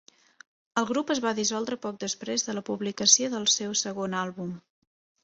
El grup es va dissoldre poc després de la publicació del seu segon àlbum.